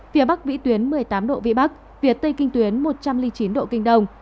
phía bắc vĩ tuyến một mươi tám độ vĩ bắc phía tây kinh tuyến một trăm linh chín độ kinh đông